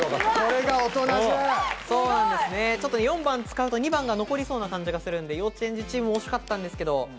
４番使うと２番が残りそうな感じがするんで、幼稚園チーム、おしかったんですけど。